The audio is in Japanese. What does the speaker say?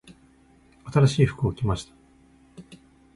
新しい服を着ました。